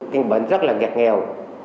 kinh bấn rất là nghẹt nghèo